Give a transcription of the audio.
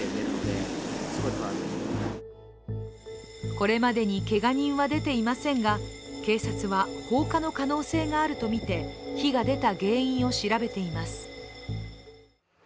これまでにけが人は出ていませんが、警察は放火の可能性があるとみて火が出た原因を調べています。